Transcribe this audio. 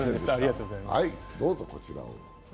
どうぞ、こちらを。